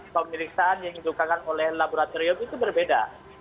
pemeriksaan yang digunakan oleh laboratorium itu berbeda